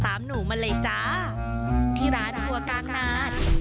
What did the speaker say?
หนูมาเลยจ้าที่ร้านครัวกลางนาน